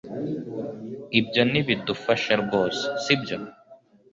Ibyo ntibidufasha rwose, sibyo?